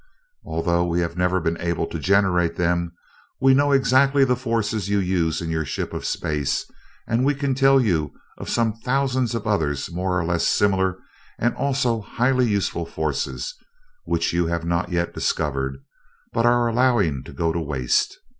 Although we have never been able to generate them, we know exactly the forces you use in your ship of space, and we can tell you of some thousands of others more or less similar and also highly useful forces which you have not yet discovered, but are allowing to go to waste.